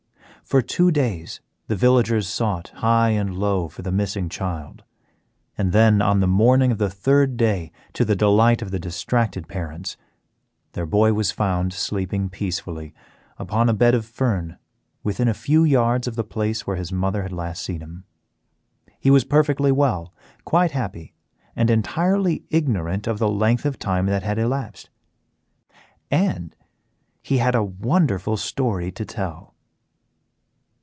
For two days the villagers sought high and low for the missing child, and then, on the morning of the third day, to the delight of the distracted parents, their boy was found sleeping peacefully upon a bed of fern within a few yards of the place where his mother had last seen him. He was perfectly well, quite happy, and entirely ignorant of the length of time that had elapsed. And he had a wonderful story to tell.